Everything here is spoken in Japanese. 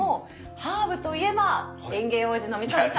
ハーブといえば園芸王子の三上さん。